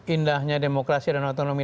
indahnya demokrasi dan otonomi